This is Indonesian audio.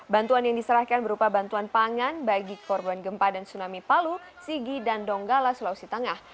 bantuan yang diserahkan berupa bantuan pangan bagi korban gempa dan tsunami palu sigi dan donggala sulawesi tengah